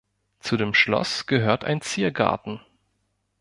Zu dem Schloss gehört ein Ziergarten.